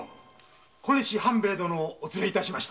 小西半兵衛殿をお連れ致しました。